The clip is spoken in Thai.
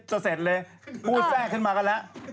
เสร็จเลยมูดแทรกขึ้นมากันแล้ว